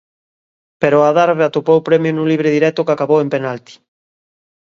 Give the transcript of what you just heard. Pero o Adarve atopou premio nun libre directo que acabou en penalti.